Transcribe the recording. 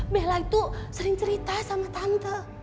mela itu sering cerita sama tante